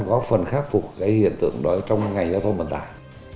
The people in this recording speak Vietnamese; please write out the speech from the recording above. góp phần khắc phục hiện tượng đó trong ngành giao thông bản tải